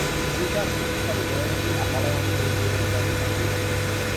Je součástí "Ústavu geologie a paleontologie" této fakulty.